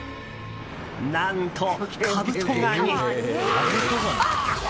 何と、カブトガニ！